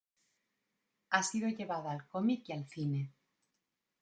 Ha sido llevada al cómic y al cine.